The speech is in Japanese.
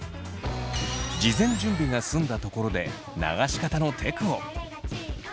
事前準備が済んだところで流し方のテクを。